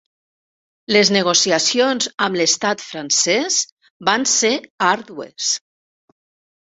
Les negociacions amb l'estat francès van ser àrdues.